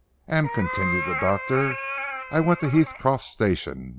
"And," continued the doctor, "I went to Heathcroft station.